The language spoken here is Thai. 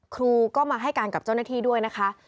ครูก็มาให้การกับเจ้าหน้าที่ด้วยนะคะ